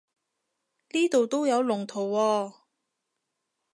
呢度都有龍圖喎